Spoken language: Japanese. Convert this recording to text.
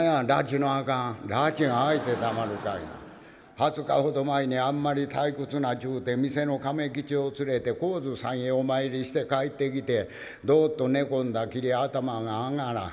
「２０日ほど前に『あんまり退屈な』ちゅうて店の亀吉を連れて高津さんへお参りして帰ってきてドッと寝込んだきり頭が上がらん。